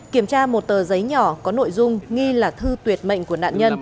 kiểm tra một tờ giấy nhỏ có nội dung nghi là thư tuyệt mệnh của nạn nhân